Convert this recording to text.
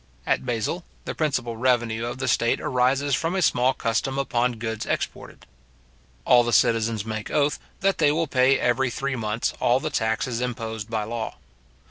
At Basil, the principal revenue of the state arises from a small custom upon goods exported. All the citizens make oath, that they will pay every three months all the taxes imposed by law.